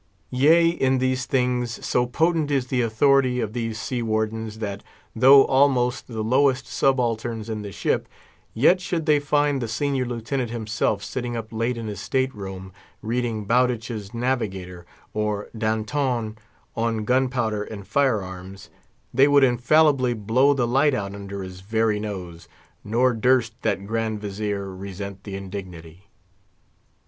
Yea, in these things, so potent is the authority of these sea wardens, that, though almost the lowest subalterns in the ship, yet should they find the Senior Lieutenant himself sitting up late in his state room, reading Bowditch's Navigator, or D'Anton "On Gunpowder and Fire arms," they would infallibly blow the light out under his very nose; nor durst that Grand Vizier resent the indignity.